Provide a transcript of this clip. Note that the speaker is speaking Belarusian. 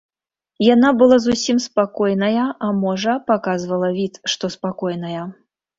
Яна была зусім спакойная, а можа, паказвала від, што спакойная.